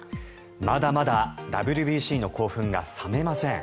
まだまだＷＢＣの興奮が冷めません。